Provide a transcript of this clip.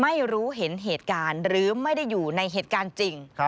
ไม่รู้เห็นเหตุการณ์หรือไม่ได้อยู่ในเหตุการณ์จริง